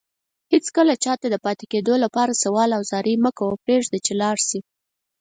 هيڅ کله هم چاته دپاتي کيدو لپاره سوال زاری مکوه پريږده چي لاړشي